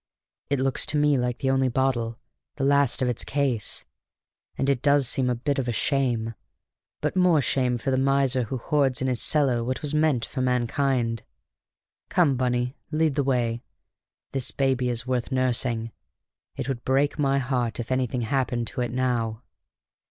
It looks to me like the only bottle, the last of its case, and it does seem a bit of a shame; but more shame for the miser who hoards in his cellar what was meant for mankind! Come, Bunny, lead the way. This baby is worth nursing. It would break my heart if anything happened to it now!"